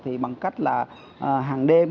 thì bằng cách là hàng đêm